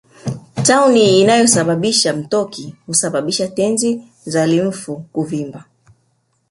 Tauni inayosababisha mtoki husababisha tezi za limfu kuvimba